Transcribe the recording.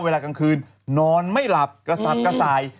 เวลากลางคืนนอนไม่หลับกระสับกระส่าย